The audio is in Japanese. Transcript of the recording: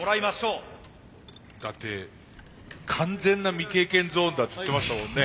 だって完全な未経験ゾーンだっつってましたもんね。